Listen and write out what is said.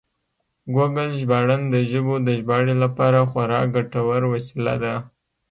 ګوګل ژباړن د ژبو د ژباړې لپاره خورا ګټور وسیله ده.